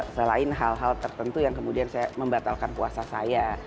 selain hal hal tertentu yang kemudian saya membatalkan puasa saya